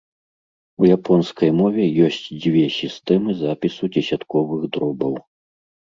У японскай мове ёсць дзве сістэмы запісу дзесятковых дробаў.